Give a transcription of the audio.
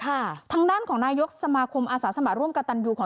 ทางด้านของนายกสมาคมอาสาสมัครร่วมกับตันยูของ